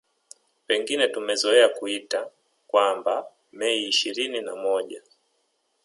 Pengine tumezoea kuita kwamba Mei ishirini na moja